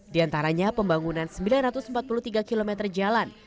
di antaranya pembangunan sembilan ratus empat puluh tiga km jalan